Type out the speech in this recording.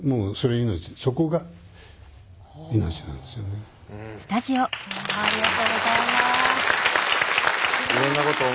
ありがとうございます。